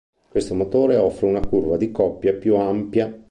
Questo motore offre una curva di coppia più ampia.